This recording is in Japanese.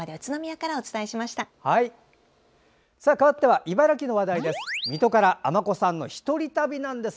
かわっては茨城の話題です。